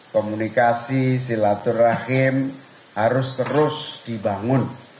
komunikasi silaturahim harus terus dibangun